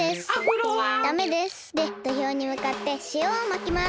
でどひょうにむかってしおをまきます。